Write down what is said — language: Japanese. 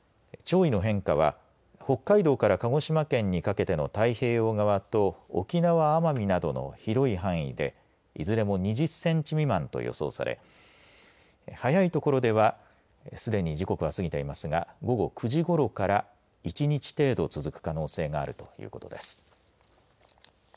潮位の変化は北海道から鹿児島県にかけての太平洋側と沖縄、奄美などの広い範囲でいずれも２０センチ未満と予想され早いところではすでに時刻は過ぎていますが午後９時ごろから１日程度続く可能性があるということです。